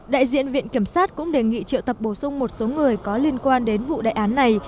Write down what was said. đại diện viện kiểm sát cũng đề nghị triệu tập bổ sung một số người có liên quan đến vụ đại án này